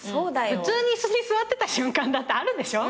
普通に椅子に座ってた瞬間だってあるでしょ？